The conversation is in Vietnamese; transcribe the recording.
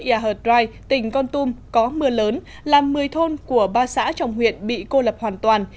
ia hợt rai tỉnh con tum có mưa lớn làm một mươi thôn của ba xã trong huyện bị cô lập hoàn toàn